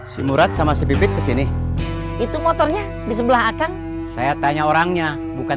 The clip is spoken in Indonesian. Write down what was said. si murad sama si bibit kesini itu motornya di sebelah kan saya tanya orangnya bukan